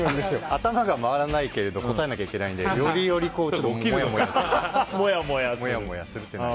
頭が回らないけど答えなきゃいけないのでよりモヤモヤするという。